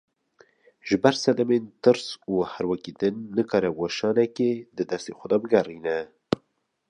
Ji ber sedemên tirs û herwekî din, nikare weşanekê di destê xwe de bigerîne